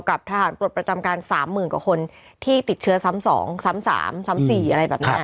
กับทหารปลดประจำการ๓๐๐๐กว่าคนที่ติดเชื้อซ้ำ๒ซ้ำ๓ซ้ำ๔อะไรแบบนี้